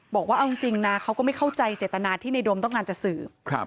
บอกว่าเอาจริงนะเขาก็ไม่เข้าใจเจตนาที่ในโดมต้องการจะสืบ